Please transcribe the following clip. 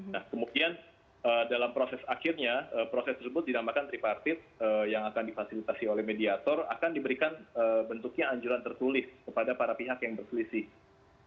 nah kemudian dalam proses akhirnya proses tersebut dinamakan tripartit yang akan difasilitasi oleh mediator akan diberikan bentuknya anjuran tertulis kepada para pihak yang berselisih